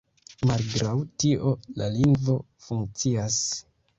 Malgraŭ tio, la lingvo funkcias.